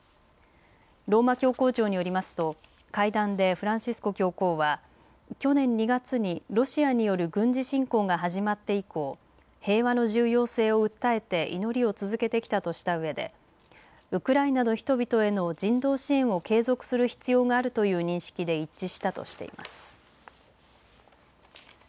ローマ教皇庁によりますと会談でフランシスコ教皇は去年２月にロシアによる軍事侵攻が始まって以降、平和の重要性を訴えて祈りを続けてきたとしたうえでウクライナの人々への人道支援を継続する必要があるという認識で一致したとしています。